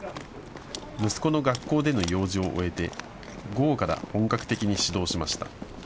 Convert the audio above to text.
息子の学校での用事を終えて午後から本格的に始動しました。